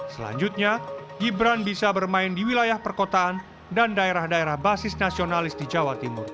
selanjutnya gibran bisa bermain di wilayah perkotaan dan daerah daerah basis nasionalis di jawa timur